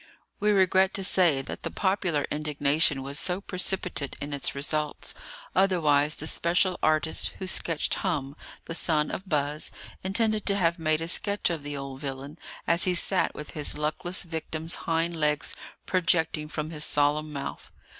We regret to say that the popular indignation was so precipitate in its results; otherwise the special artist who sketched Hum, the son of Buz, intended to have made a sketch of the old villain, as he sat with his luckless victim's hind legs projecting from his solemn mouth.